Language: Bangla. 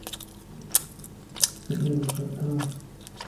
তোমরা ওকে মাথায় তুলে বসাচ্ছো।